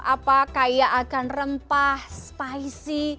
apa kaya akan rempah spicy